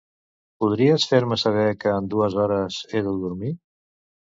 Podries fer-me saber que en dues hores he de dormir?